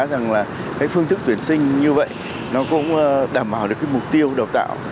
rằng là phương thức tuyển sinh như vậy nó cũng đảm bảo được mục tiêu đào tạo